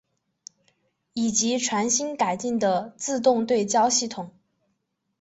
以及全新改进的自动对焦系统。